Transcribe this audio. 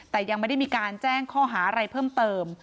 แต่ยังไม่ได้มีการแจ้งข้อหาอะไรเพิ่มเติม